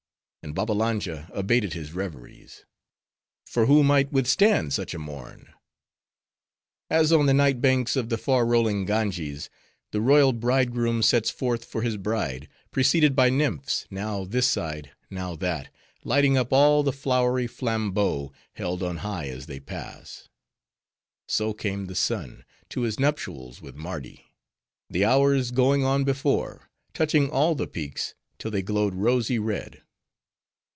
And Babbalanja abated his reveries. For who might withstand such a morn! As on the night banks of the far rolling Ganges, the royal bridegroom sets forth for his bride, preceded by nymphs, now this side, now that, lighting up all the flowery flambeaux held on high as they pass; so came the Sun, to his nuptials with Mardi:—the Hours going on before, touching all the peaks, till they glowed rosy red.